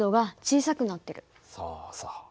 そうそう。